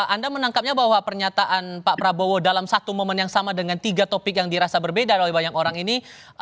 anda menangkapnya bahwa pernyataan pak prabowo dalam satu momen yang sama dengan tiga topik yang dirasa berbeda oleh banyak orang ini